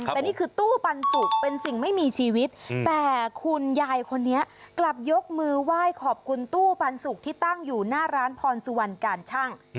แต่นี่คือตู้ปันสุกเป็นสิ่งไม่มีชีวิตแต่คุณยายคนนี้กลับยกมือไหว้ขอบคุณตู้ปันสุกที่ตั้งอยู่หน้าร้านพรสุวรรณการชั่ง